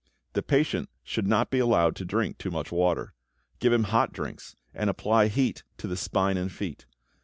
The patient should not be allowed to drink too much water. Give him hot drinks, and apply heat to the spine and feet.